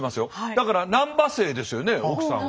だから難波姓ですよね奥さんは。